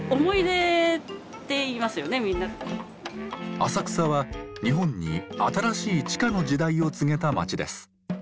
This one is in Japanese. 浅草は日本に新しい地下の時代を告げた町です。